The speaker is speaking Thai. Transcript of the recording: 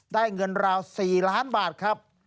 ได้เงินราว๔ล้านบาทครับ